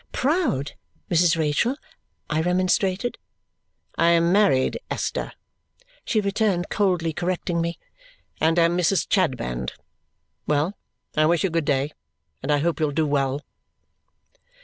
"Proud, Mrs. Rachael!" I remonstrated. "I am married, Esther," she returned, coldly correcting me, "and am Mrs. Chadband. Well! I wish you good day, and I hope you'll do well."